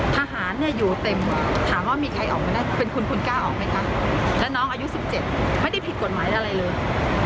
ทหารเนี่ยอยู่เต็มถามว่ามีใครออกมาได้เป็นคุณคุณกล้าออกไหมคะแล้วน้องอายุ๑๗ไม่ได้ผิดกฎหมายอะไรเลย